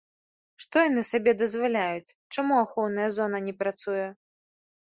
Што яны сабе дазваляюць, чаму ахоўная зона не працуе?